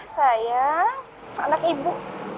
saya anak ibu